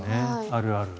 あるある。